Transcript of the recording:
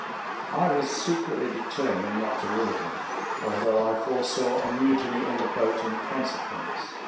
I was secretly determined not to leave him, although I foresaw a mutiny in the boat in consequence.